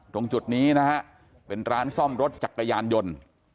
ตรงจุดนี้นะฮะเป็นร้านซ่อมรถจักรยานยนต์